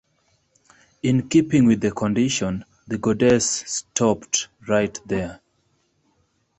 In keeping with the condition, the goddess stopped right there.